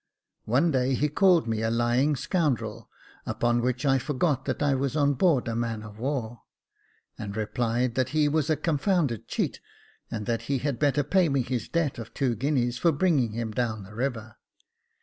One day, he called me a lying scoundrel ; upon 394 Jacob Faithful which I forgot that I was on board of a man of war, and replied that he was a confounded cheat, and that he had better pay me his debt of two guineas for bringing him down the river.